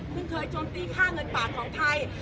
เมื่อกลุ่มจนตี้ฆ่าเงินปากของไทย